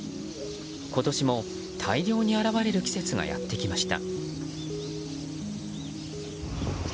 今年も大量に現れる季節がやってきました。